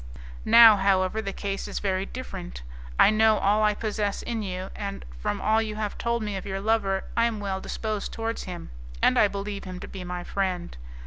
Now, however, the case is very different. I know all I possess in you, and, from all you have told me of your lover, I am well disposed towards him, and I believe him to be my friend.